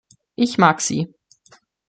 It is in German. Ich mag Sie.